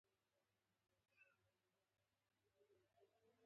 موډرن بیروکراټ دولت د زاړه فیوډالي دولت ځای ونیو.